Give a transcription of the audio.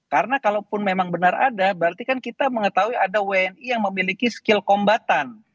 karena kalaupun memang benar ada berarti kan kita mengetahui ada wni yang memiliki skill kombatan